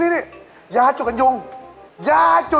เทียบลูกใครดีกว่ะ